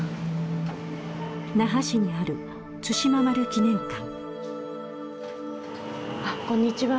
那覇市にある対馬丸記念館こんにちは。